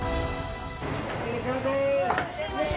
いらっしゃいませ。